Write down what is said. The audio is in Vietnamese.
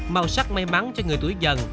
màu sắc may mắn cho người tuổi dần